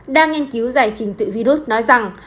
đang nghiên cứu giải trình tự virus nói rằng